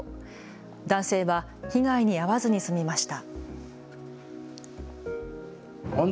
男性は被害に遭わずに済みました。